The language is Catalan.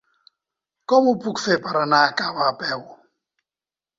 Com ho puc fer per anar a Cava a peu?